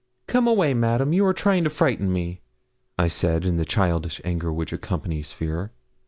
'Come away, Madame! you are trying to frighten me,' I said, in the childish anger which accompanies fear.